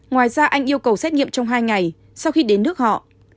ngoài ra anh yêu cầu xét nghiệm trong hai ngày sau khi đến nước họ